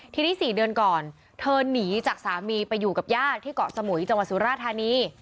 ทีนี้๔เดือนก่อนเธอหนีจากสามีไปอยู่กับญาติที่เกาะสมุยจังหวัดสุราธานี